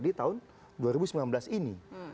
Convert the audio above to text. di tahun dua ribu sembilan belas ini